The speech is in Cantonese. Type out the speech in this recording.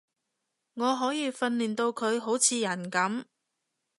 我可以訓練到佢好似人噉